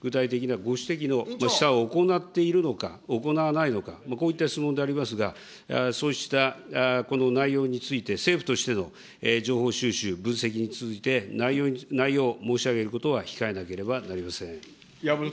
具体的なご指摘の試算を行っているのか、行わないのか、こういった質問でありますが、そうした内容について、政府としての情報収集、分析について内容を申し上げることは控えなければなりません。